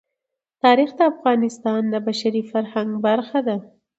تاریخ د افغانستان د بشري فرهنګ برخه ده.